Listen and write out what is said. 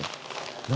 何？